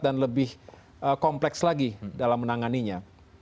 dan lebih kompleks lagi dalam menanganinya